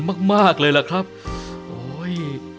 มากมากเลยล่ะครับโอ้ย